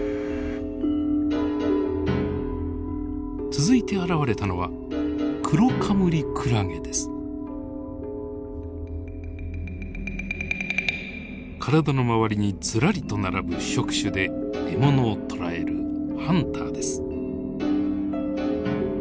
続いて現れたのは体の回りにずらりと並ぶ触手で獲物を捕らえるハンターです。